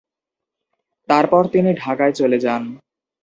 তারপর তিনি ঢাকায় চলে যান।